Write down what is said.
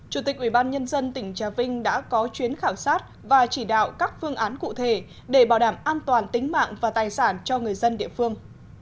chủ tịch ubnd tỉnh trà vinh đã có chuyến khảo sát và chỉ đạo các phương án cụ thể để bảo đảm an toàn tính mạng và tài sản cho người dân địa phương